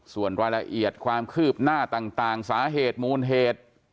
ส่วนรายละเอียดความคืบหน้าต่างสาเหตุมูลเหตุ